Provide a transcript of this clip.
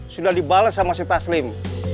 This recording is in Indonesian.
sudah dibalas sama si taslim